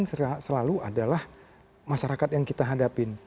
nah yang dilupakan selalu adalah masyarakat yang kita hadapin